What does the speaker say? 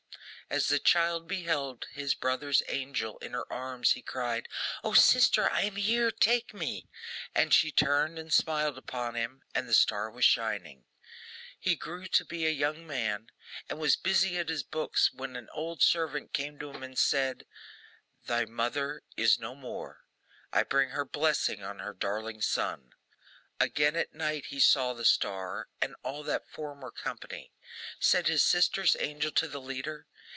As the child beheld his brother's angel in her arms, he cried, 'O, sister, I am here! Take me!' And she turned and smiled upon him, and the star was shining. He grew to be a young man, and was busy at his books when an old servant came to him and said: 'Thy mother is no more. I bring her blessing on her darling son!' Again at night he saw the star, and all that former company. Said his sister's angel to the leader.